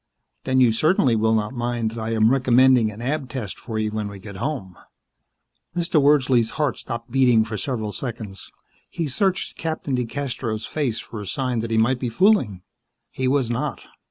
Then you certainly will not mind that I am recommending an Ab Test for you when we get home." Mr. Wordsley's heart stopped beating for several seconds. He searched Captain DeCastros' face for a sign that he might be fooling. He was not.